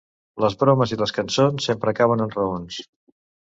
Les bromes i les cançons sempre acaben en raons.